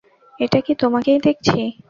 এটা কি তোমাকেই দেখছি?